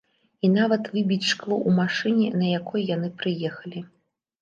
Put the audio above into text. І нават выбіць шкло ў машыне, на якой яны прыехалі.